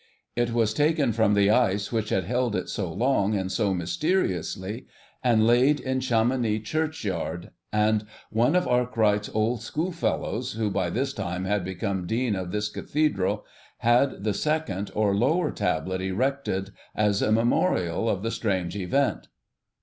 It was taken from the ice which had held it so long and so mysteriously, and laid in Chamonix churchyard, and one of Arkwright's old schoolfellows, who by this time had become Dean of this Cathedral, had the second, or lower, tablet erected as a memorial of the strange event.